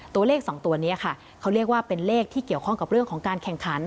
ตัวเลข๒ตัวนี้ค่ะเขาเรียกว่าเป็นเลขที่เกี่ยวข้องกับเรื่องของการแข่งขัน